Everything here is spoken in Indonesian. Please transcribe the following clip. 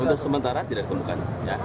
untuk sementara tidak ditemukan